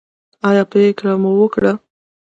ایا پریکړه مو وکړه؟